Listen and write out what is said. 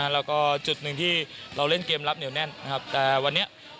แล้วก็จุดหนึ่งที่เราเล่นเกมรับเหนียวแน่นนะครับแต่วันนี้